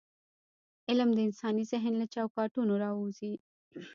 علم د انساني ذهن له چوکاټونه راووځي.